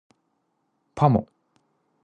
パモ